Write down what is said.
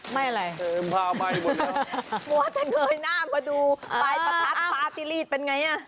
ไม่อะไรผ้าไปหมดแล้วว่าจะเคยหน้ามาดูอ้าวปลายประทัดภาพอีรีสเป็นไงน่ะ